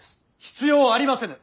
必要ありませぬ。